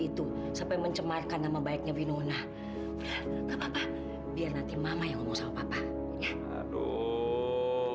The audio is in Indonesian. itu sampai mencemarkan nama baiknya minona biar nanti mama yang mau sama papa ya aduh